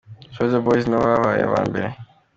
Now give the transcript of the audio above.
Soldier Boys nibo babaye aba mbere.